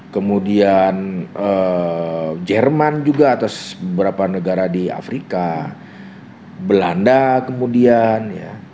kemudian jerman juga atas beberapa negara di afrika belanda kemudian ya